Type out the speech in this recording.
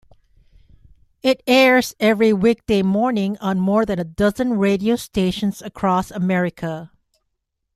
It airs every weekday morning on more than a dozen radio stations across America.